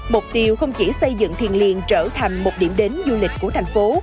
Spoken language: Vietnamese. mục tiêu không chỉ xây dựng thiền liên trở thành một điểm đến du lịch của thành phố